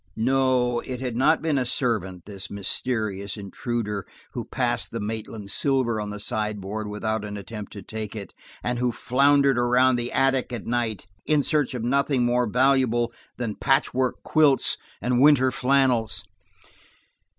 No–it had not been a servant, this mysterious intruder who passed the Maitland silver on the sideboard without an attempt to take it, and who floundered around an attic at night, in search of nothing more valuable than patchwork quilts and winter flannels.